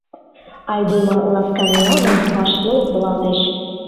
Айдеме ласкан ила гын, вашке локтылалтеш.